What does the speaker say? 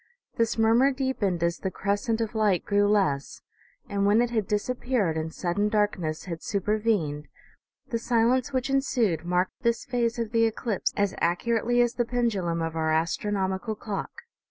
This murmur deepened as the crescent of light grew less, and when it had disappeared and sud den darkness had supervened, the silence which ensued marked this phase of the eclipse as accurately as the i$8 OMEGA. pendulum of our astronomical clock.